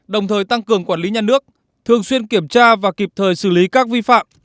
đồng thời tăng cường quản lý nhà nước thường xuyên kiểm tra và kịp thời xử lý các vi phạm